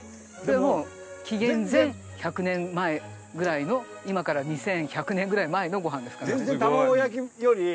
でも紀元前１００年前ぐらいの今から２１００年ぐらい前のごはんですから。